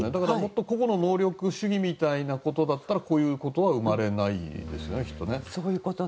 個々の能力主義みたいなことだったらこういうことは生まれないですね。